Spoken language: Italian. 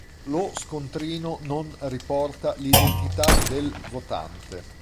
Lo scontrino non riporta l'identità del votante.